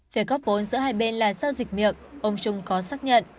về góp vốn giữa hai bên là sao dịch miệng ông trung có xác nhận